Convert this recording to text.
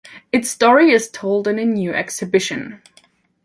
Its story is told in a new exhibition.